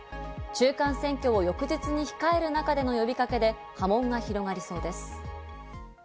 中間選挙を翌日に控える中での呼びかけで波紋が広がりそうです。